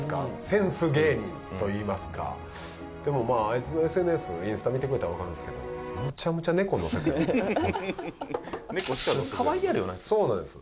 センス芸人といいますかでもまああいつのＳＮＳインスタ見てくれたらわかるんすけどかわいげあるよなそうなんです